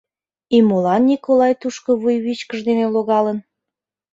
И молан Николай тушко вуйвичкыж дене логалын!